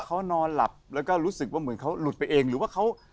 เขานอนหลับแล้วก็รู้สึกว่าเหมือนเขาหลุดไปเองหรือว่าเขา